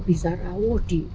bisa rawuh di